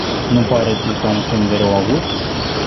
Nu pare acesta un semn de rău augur?